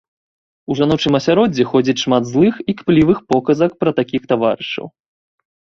У жаночым асяроддзі ходзіць шмат злых і кплівых показак пра такіх таварышаў.